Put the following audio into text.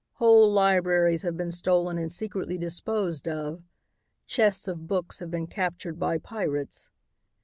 Whole libraries have been stolen and secretly disposed of. Chests of books have been captured by pirates.